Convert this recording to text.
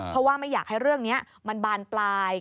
เพราะว่าไม่อยากให้เรื่องนี้มันบานปลาย